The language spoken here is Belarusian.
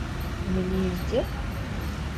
У мяне ёсць дзед?